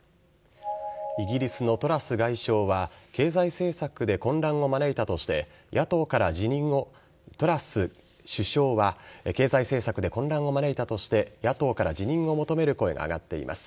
イギリスのトラス外相は経済政策で混乱を招いたとしてトラス首相は経済政策で混乱を招いたとして野党から辞任を求める声が上がっています。